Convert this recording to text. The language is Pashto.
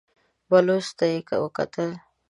بلوڅ ته يې وکتل.